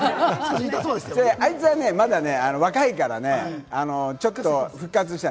あいつはね、まだ若いからね、ちょっと復活した。